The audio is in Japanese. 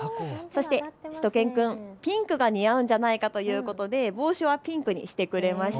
しゅと犬くん、ピンクが似合うんじゃないかということで帽子はピンクにしてくれました。